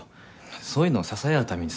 そういうの支え合うためにさ